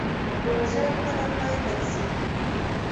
پروژه کله پای ته رسیږي؟